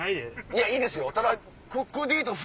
いやいいですよ。